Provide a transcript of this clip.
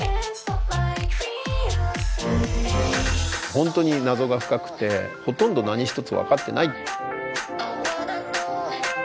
本当に謎が深くてほとんど何一つ分かってない。